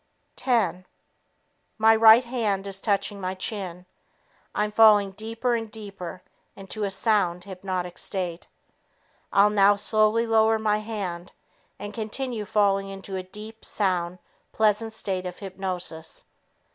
Ten ... My right hand is touching my chin; I'm falling deeper and deeper into a sound hypnotic state; I'll now slowly lower my hand and continue falling into a deep, sound, pleasant state of hypnosis.